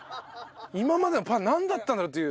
今までのパンなんだったんだろうという。